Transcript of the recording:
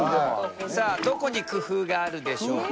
さあどこに工夫があるでしょうか？